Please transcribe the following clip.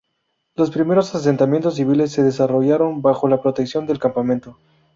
Los primeros asentamientos civiles se desarrollaron bajo la protección del campamento.